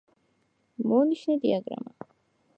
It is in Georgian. მონიშნე დიაგრამა